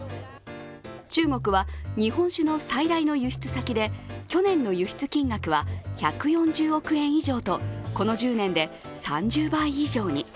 中国は日本酒の最大の輸出先で去年の輸出金額は１４０億円以上とこの１０年で３０倍以上に。